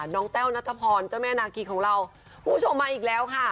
แต้วนัทพรเจ้าแม่นาคีของเราผู้ชมมาอีกแล้วค่ะ